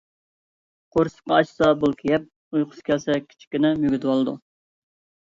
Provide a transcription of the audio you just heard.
قورسىقى ئاچسا بولكا يەپ، ئۇيقۇسى كەلسە كىچىككىنە مۈگدىۋالىدۇ.